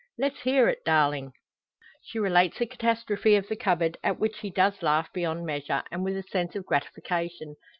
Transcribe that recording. "Let's hear it, darling!" She relates the catastrophe of the cupboard, at which he does laugh beyond measure, and with a sense of gratification.